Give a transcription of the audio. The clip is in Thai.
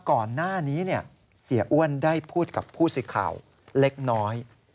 ก่อนหน้านี้เสียอ้วนได้พูดกับผู้สื่อข่าวเล็กน้อย